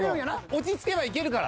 落ち着けばいけるから。